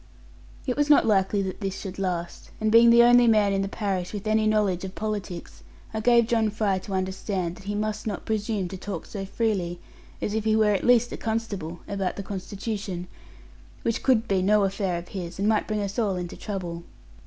It was not likely that this should last; and being the only man in the parish with any knowledge of politics, I gave John Fry to understand that he must not presume to talk so freely, as if he were at least a constable, about the constitution; which could be no affair of his, and might bring us all into trouble.